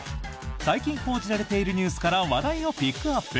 最近報じられているニュースから話題をピックアップ！